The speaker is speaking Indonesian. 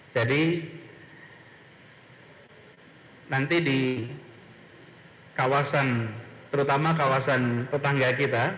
jadi nanti di kawasan terutama kawasan tetangga kita